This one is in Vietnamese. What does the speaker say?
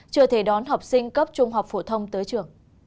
chưa thể đón học sinh cấp trung học phổ thông tới trường